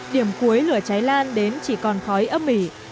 điểm cuối lửa cháy lan đến chỉ còn khói âm mỉ